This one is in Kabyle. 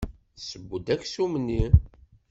Tesseww-d aksum-nni.